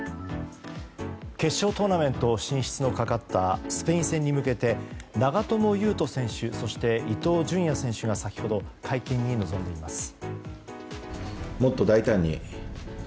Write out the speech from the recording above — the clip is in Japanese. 決勝トーナメント進出のかかったスペイン戦に向けて長友佑都選手そして伊東純也選手が先ほど会見に臨みました。